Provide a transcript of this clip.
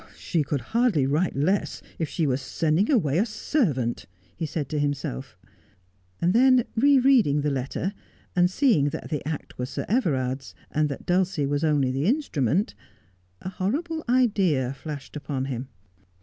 'She could hardly write less if she were sending away a servant,' he said to himself. And then, re reading the letter, and seeing that the act was Sir Everard's, and that Dulcie was only the instrument, a horrible idea flashed upon him.